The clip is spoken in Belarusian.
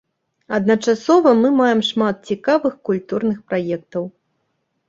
Адначасова мы маем шмат цікавых культурных праектаў.